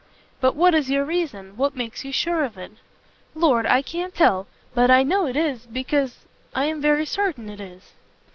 "But what is your reason? What makes you sure of it?" "Lord, I can't tell but I know it is because I am very certain it is."